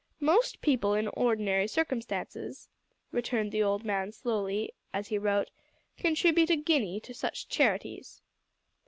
"Most people in ordinary circumstances," returned the old man slowly as he wrote, "contribute a guinea to such charities."